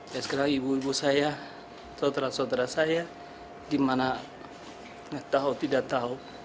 ya sekarang ibu ibu saya saudara saudara saya gimana tau tidak tau